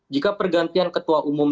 jika pergantian ketua umum